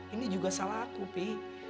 ini juga salah aku sih